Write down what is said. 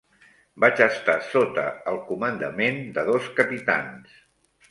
Vaig estar sota el comandament de dos capitans.